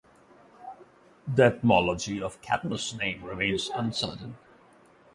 The etymology of Cadmus' name remains uncertain.